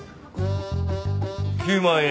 ９万円。